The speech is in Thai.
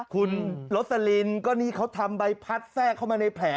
คุณลสลินก็นี่เขาทำใบพัดแทรกเข้ามาในแผล